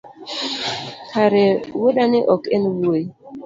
kare wuodani ok enwuoyi?